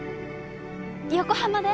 横浜で？